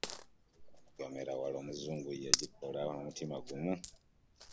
Omugemerawala omuzungu yagikola n'omutima gumu!